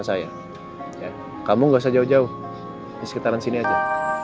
dia kamu nggak sejauh jauh di sekitaran sini aja ya